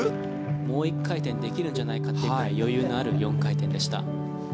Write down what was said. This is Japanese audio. もう１回転できるんじゃないかというぐらい余裕のある４回転でした。